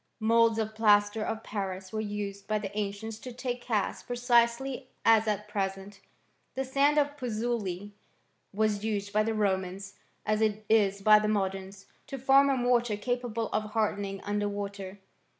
Moulds of plaster of Paris were used by the ancients to take casts precisely as at present.* The sand of Puzzoli was used by the Romans, as it is by the moderns, to form a mortar capable of hardening under water.